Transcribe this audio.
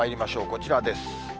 こちらです。